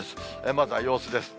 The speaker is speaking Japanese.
まずは様子です。